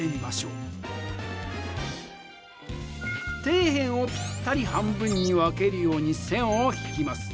底辺をピッタリ半分に分けるように線を引きます。